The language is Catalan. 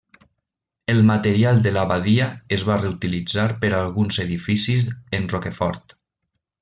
El material de l'abadia es va reutilitzar per a alguns edificis en Rochefort.